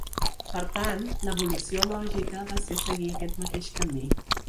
Per tant, l’evolució lògica va ser seguir aquest mateix camí.